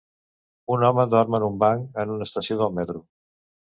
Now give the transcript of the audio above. Un home dorm en un banc en una estació del metro.